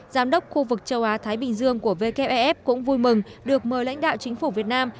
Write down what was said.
giám đốc khu vực châu á thái bình dương của wef cũng vui mừng được mời lãnh đạo chính phủ việt nam